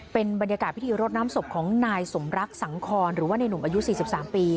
เป็นบรรยากาศพิธีรดน้ำศพของนายสมรักสังคอนหรือว่าในหนุ่มอายุ๔๓ปี